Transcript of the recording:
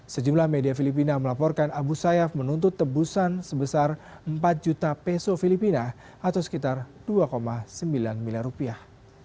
sejumlah media filipina melaporkan abu sayyaf menuntut tebusan sebesar empat juta peso filipina atau sekitar dua sembilan miliar rupiah